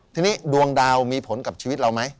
ทีนี้ดวงดาวมีผลกับชีวิตเราไหม